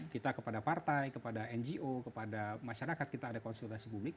kita kepada partai kepada ngo kepada masyarakat kita ada konsultasi publik